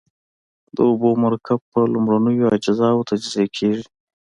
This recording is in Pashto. د اوبو مرکب په لومړنیو اجزاوو تجزیه کیږي.